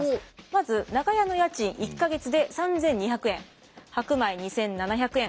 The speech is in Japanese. まず長屋の家賃１か月で３，２００円白米２，７００円